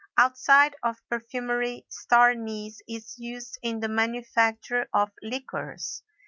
Outside of perfumery star anise is used in the manufacture of liqueurs.